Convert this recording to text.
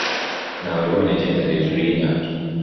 Nawebonye agenda hejuru yinyanja.